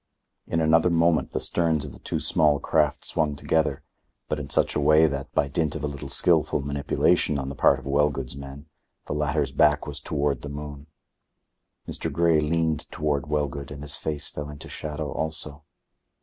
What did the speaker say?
In another moment the sterns of the two small craft swung together, but in such a way that, by dint of a little skilful manipulation on the part of Wellgood's men, the latter's back was toward the moon. Mr. Grey leaned toward Wellgood, and his face fell into shadow also.